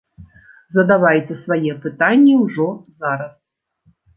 Задавайце свае пытанні ўжо зараз!